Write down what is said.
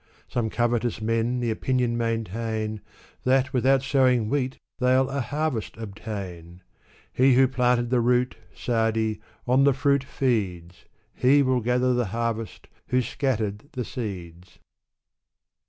Some covetous men the opinion maintain, That, without sowing wheat, they'll a harvest obtain ! He who planted the root, Sa'di, on the fruit feeds ! He will gather the harvest, who scattered the seeds